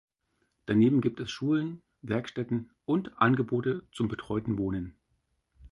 Daneben gibt es Schulen, Werkstätten und Angebote zum betreuten Wohnen.